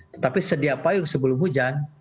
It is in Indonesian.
tetapi sedia payung sebelum hujan